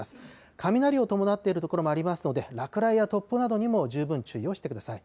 雷を伴っている所もありますので、落雷や突風などにも十分注意をしてください。